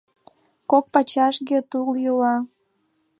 Кок пачашге тул йӱла.